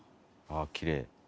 ああきれい。